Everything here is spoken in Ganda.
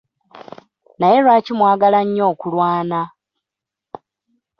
Naye lwaki mwagala nnyo okulwana?